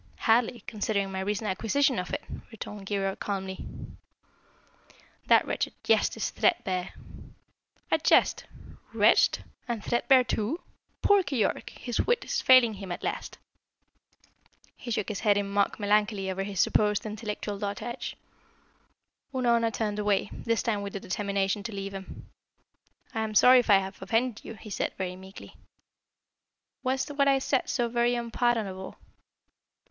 "Hardly, considering my recent acquisition of it," returned Keyork calmly. "That wretched jest is threadbare." "A jest! Wretched? And threadbare, too? Poor Keyork! His wit is failing at last." He shook his head in mock melancholy over his supposed intellectual dotage. Unorna turned away, this time with the determination to leave him. "I am sorry if I have offended you," he said, very meekly. "Was what I said so very unpardonable?"